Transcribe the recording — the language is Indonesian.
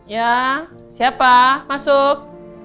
ya siapa masuk